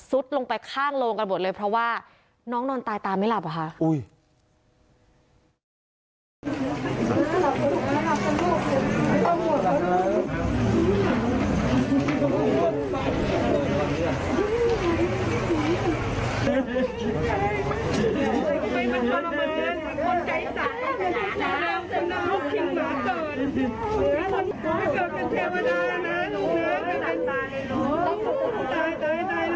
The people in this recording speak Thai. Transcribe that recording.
ลงไปข้างโรงกันหมดเลยเพราะว่าน้องนอนตายตามไม่หลับอะค่ะ